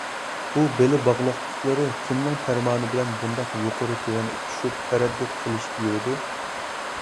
بۇ بېلى باغلاقلىقلىرى كىمنىڭ پەرمانى بىلەن بۇنداق يۇقىرى - تۆۋەن ئۇچۇشۇپ تەرەددۇت قىلىشىپ يۈرىدۇ؟